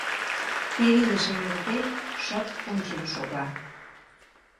Перилыш эҥертен, шып ончен шога.